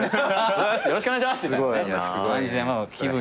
よろしくお願いしますって気分